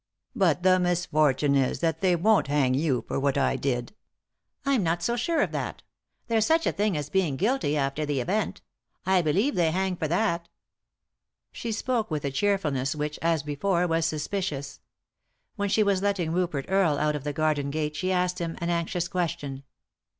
"But the misfortune is that they won't hang yon for what I did." " I'm not so sure of that. There's such a thing as being guilty after the event I believe they hang for that." She spoke with a cheerfulness which, as before, was suspicious. When she was letting Rupert Earle out of the garden gate she asked him an anxious question.